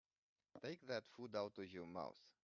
Take that food out of your mouth.